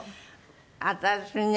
「私ね」。